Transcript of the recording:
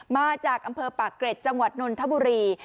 มาจากอำเภอปากเกร็ดจังหวัดนนทบุรี